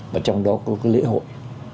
và trong đó có cái lễ hội